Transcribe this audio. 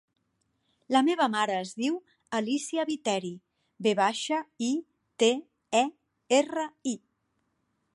La meva mare es diu Alícia Viteri: ve baixa, i, te, e, erra, i.